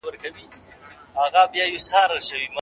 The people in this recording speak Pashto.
پر ځان باور د بریالیتوب لومړی ګام دی.